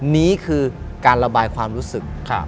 นี่คือการระบายความรู้สึก